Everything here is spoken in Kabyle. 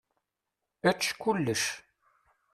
Ečč kullec.